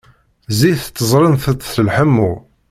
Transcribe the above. Zzit ttezzrent-t s leḥmu.